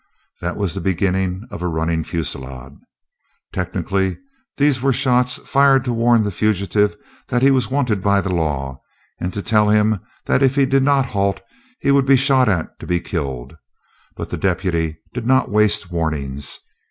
That was the beginning of a running fusillade. Technically these were shots fired to warn the fugitive that he was wanted by the law, and to tell him that if he did not halt he would be shot at to be killed. But the deputy did not waste warnings.